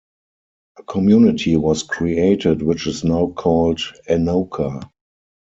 A community was created which is now called Anoka.